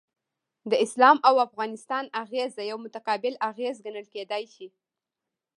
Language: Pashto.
د اسلام او افغانستان اغیزه یو متقابل اغیز ګڼل کیدای شي.